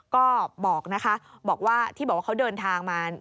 ก็บอกนะคะบอกว่าที่บอกว่าเขาเดินทางมา